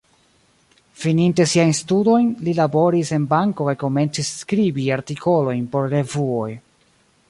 Fininte siajn studojn, li laboris en banko kaj komencis skribi artikolojn por revuoj.